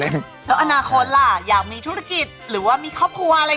แล้วอนาคตล่ะอยากมีธุรกิจหรือว่ามีครอบครัวอะไร